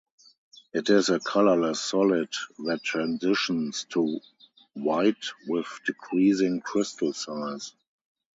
It is a colorless solid, that transitions to white with decreasing crystal size.